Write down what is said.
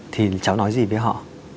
thì cháu nói gì với họ